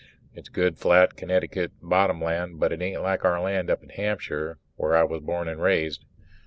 It's good flat Connecticut bottom land, but it isn't like our land up in Hampshire where I was born and raised.